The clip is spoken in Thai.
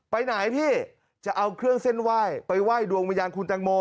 ไปไหนพี่จะเอาเครื่องเส้นไหว้ไปไหว้ดวงวิญญาณคุณแตงโม